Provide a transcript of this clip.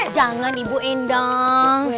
jangan ibu endang